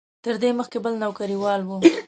تر ده مخکې بل نوکریوال و.